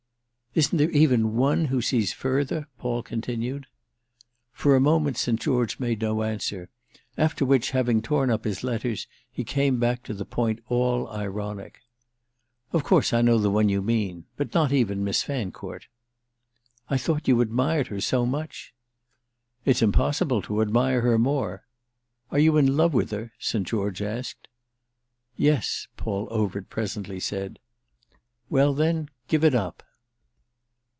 "Isn't there even one who sees further?" Paul continued. For a moment St. George made no answer; after which, having torn up his letters, he came back to the point all ironic. "Of course I know the one you mean. But not even Miss Fancourt." "I thought you admired her so much." "It's impossible to admire her more. Are you in love with her?" St. George asked. "Yes," Paul Overt presently said. "Well then give it up."